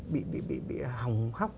bị hỏng hóc